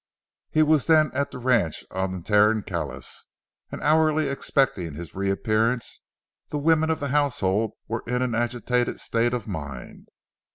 He was then at the ranch on the Tarancalous, and hourly expecting his reappearance, the women of the household were in an agitated state of mind.